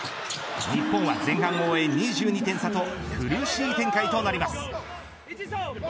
日本は前半を終え２２点差と苦しい展開となります。